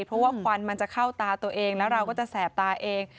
เพราะว่าควันมันจะเข้าตาตัวเองแล้วเราก็จะแสบตาเอง